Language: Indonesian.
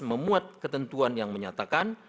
memuat ketentuan yang menyatakan